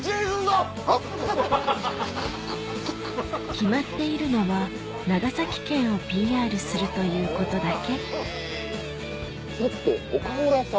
決まっているのは長崎県をＰＲするということだけちょっと岡村さん。